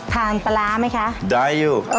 ปลาร้าไหมคะได้อยู่